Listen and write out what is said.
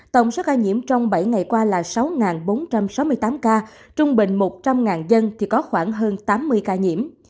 tổng số ca nhiễm trong bảy ngày qua là sáu bốn trăm sáu mươi tám ca trung bình một trăm linh dân thì có khoảng hơn tám mươi ca nhiễm